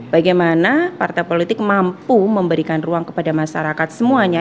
bagaimana partai politik mampu memberikan ruang kepada masyarakat semuanya